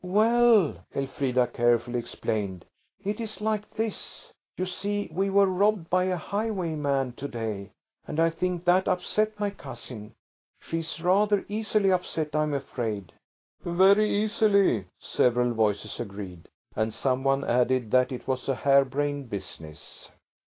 "Well," Elfrida carefully explained, "it's like this. You see, we were robbed by a highwayman to day, and I think that upset my cousin. She's rather easily upset, I'm afraid." "Very easily," several voices agreed, and some one added that it was a hare brained business.